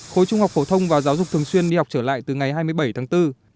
khối trung học phổ thông và giáo dục thường xuyên đi học trở lại từ ngày hai mươi bảy tháng bốn